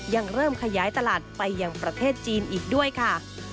ยังเริ่มขยายตลาดไปยังประเทศจีนอีกด้วยค่ะ